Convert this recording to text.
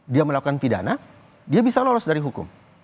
dia melakukan pidana dia bisa lolos dari hukum